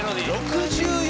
６４？